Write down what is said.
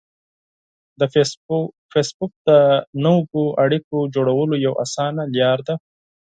فېسبوک د نوو اړیکو جوړولو یوه اسانه لار ده